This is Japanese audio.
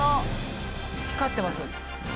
光ってます。